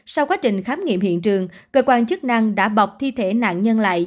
sau quá trình khám nghiệm hiện trường cơ quan chức năng đã bọc thi thể nạn nhân lại